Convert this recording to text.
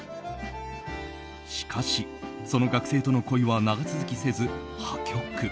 しかし、その学生との恋は長続きせず破局。